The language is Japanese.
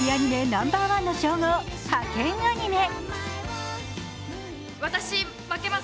ナンバーワンの称号「ハケンアニメ！」。